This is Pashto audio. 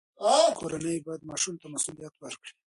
کورنۍ باید ماشوم ته مسوولیت ورکړي.